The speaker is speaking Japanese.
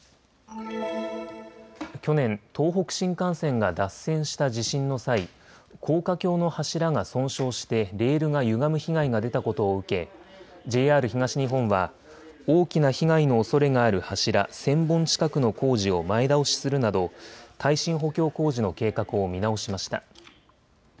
去年、東北新幹線が脱線した地震の際、高架橋の柱が損傷してレールがゆがむ被害が出たことを受け、ＪＲ東日本は大きな被害のおそれがある柱１０００本近くの工事を前倒しするなど耐震補強工事の計画を見直しました。